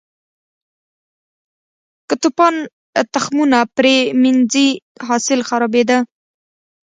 که توپان تخمونه پرې منځي، حاصل خرابېده.